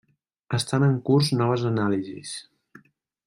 Estan en curs noves anàlisis.